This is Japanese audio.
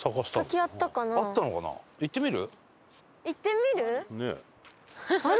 行ってみる？